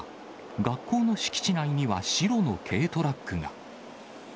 学校の敷地内には、白の軽トラックが。